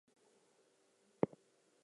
Where did you travel to last week?